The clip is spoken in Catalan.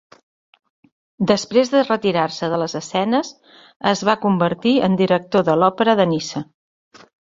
Després de retirar-se de les escenes, es va convertir en director de l'Òpera de Niça.